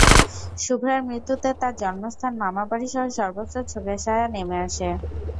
শুভ্রার মৃত্যুতে তাঁর জন্মস্থান, মামা বাড়িসহ সর্বত্র শোকের ছায়া নেমে আসে।